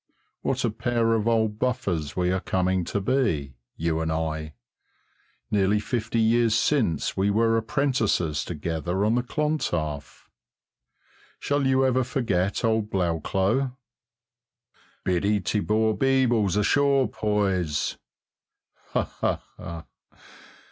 What a pair of old buffers we are coming to be, you and I. Nearly fifty years since we were apprentices together on the Clontarf. Shall you ever forget old Blauklot? "Biddy te boor beebles ashore, poys!" Ha, ha!